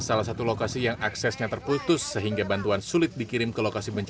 salah satu lokasi yang aksesnya terputus sehingga bantuan sulit dikirim ke lokasi bencana